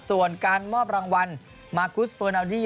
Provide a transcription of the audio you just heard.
ส่วนการมอบรางวัลมาร์คุสเวอร์นาวดี้